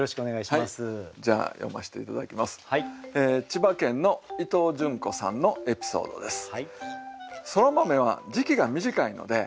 千葉県の伊藤順子さんのエピソードです。